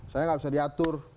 saya gak bisa diatur